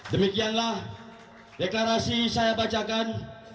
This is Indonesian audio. demikianlah deklarasi saya bacakan